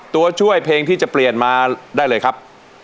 ตัวช่วยเพลงที่จะเปลี่ยนมาได้เลยครับ